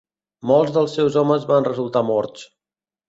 Molts dels seus homes van resultar morts.